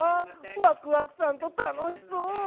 ワクワクさんとたのしそう。